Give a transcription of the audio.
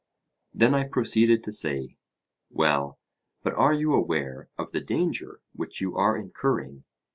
Then I proceeded to say: Well, but are you aware of the danger which you are incurring?